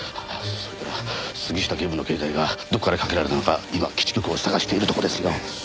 それから杉下警部の携帯がどこからかけられたのか今基地局を探しているところですよ。